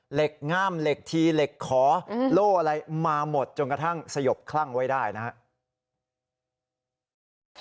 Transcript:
ง่ามเหล็กทีเหล็กขอโล่อะไรมาหมดจนกระทั่งสยบคลั่งไว้ได้นะครับ